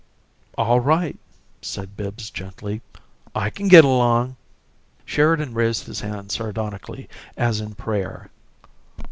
"All right," said Bibbs, gently. "I can get along." Sheridan raised his hands sardonically, as in prayer.